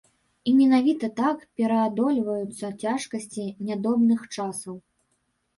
І менавіта так пераадольваюцца цяжкасці нядобрых часоў.